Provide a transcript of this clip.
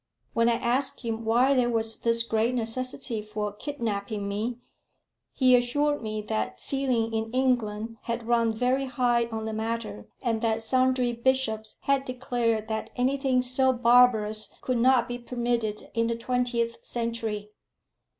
When I asked him why there was this great necessity for kidnapping me, he assured me that feeling in England had run very high on the matter, and that sundry bishops had declared that anything so barbarous could not be permitted in the twentieth century.